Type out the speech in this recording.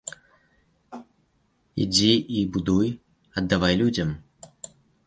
Ідзі і будуй, аддавай людзям.